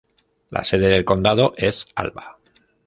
La sede del condado es Alva.